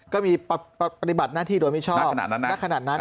ก็มีปฏิบัติหน้าที่โดยมิชอบณขนาดนั้น